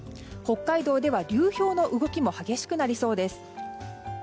北海道では流氷の動きも激しくなりそうです。